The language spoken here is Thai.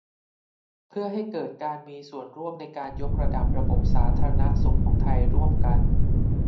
เพื่อให้เกิดการมีส่วนร่วมในการยกระดับระบบสาธารณสุของไทยร่วมกัน